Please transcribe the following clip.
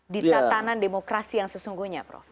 di tatanan demokrasi yang sesungguhnya prof